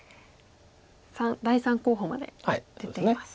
第３候補まで出ています。